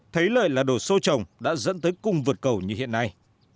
thấy lợi là đổ sô trồng đã dẫn tới cung vượt cầu như hiện nay